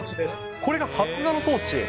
これが発芽の装置？